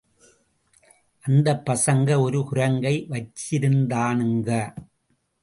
அந்தப் பசங்க ஒரு குரங்கை வைச்சிருந்தானுங்க.